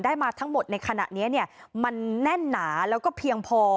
มาทั้งหมดในขณะนี้เนี่ยมันแน่นหนาแล้วก็เพียงพอ